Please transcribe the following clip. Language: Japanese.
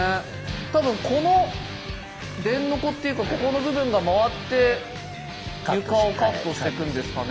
多分この電ノコっていうかここの部分が回って床をカットしていくんですかね。